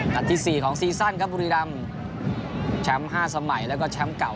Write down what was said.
ที่๔ของซีซั่นครับบุรีรำแชมป์๕สมัยแล้วก็แชมป์เก่า